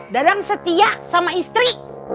dadang setia sama istri